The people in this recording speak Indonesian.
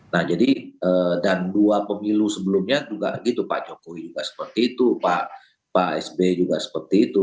nah jadi dan dua pemilu sebelumnya juga gitu pak jokowi juga seperti itu pak sby juga seperti itu